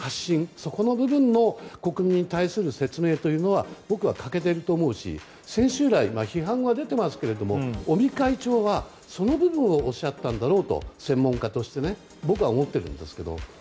そこの部分の国民に対する説明というのは僕は欠けていると思うし先週来、批判は出ていますが尾身会長はその部分をおっしゃったんだろうと専門家としてねそう、僕は思っているんです。